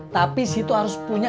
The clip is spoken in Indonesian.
tapi situ harus punya